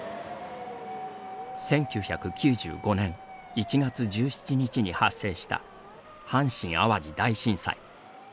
１９９５年１月１７日に発生した阪神・淡路大震災。